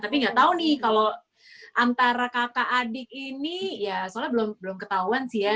tapi nggak tahu nih kalau antara kakak adik ini ya soalnya belum ketahuan sih ya